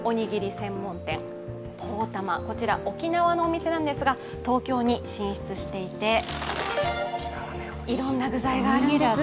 こちら、沖縄のお店なんですが、東京に進出していて、いろんな具材があるんです。